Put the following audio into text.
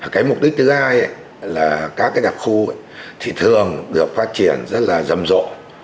cái mục đích thứ hai là các cái đặc khu thì thường được phát triển rất là rầm rộ